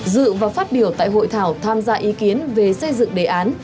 dự và phát biểu tại hội thảo tham gia ý kiến về xây dựng đề án